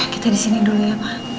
kita di sini dulu ya pak